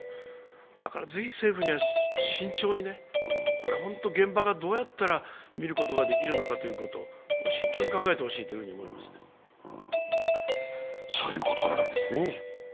だから、ぜひ政府には慎重に、これは本当に現場がどうやったら診ることができるのかということを慎重に考えてほしいと思います。